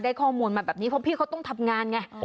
ข้อมูลมาแบบนี้เพราะพี่เขาต้องทำงานไง